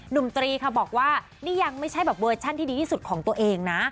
ตรีค่ะบอกว่านี่ยังไม่ใช่แบบเวอร์ชันที่ดีที่สุดของตัวเองนะ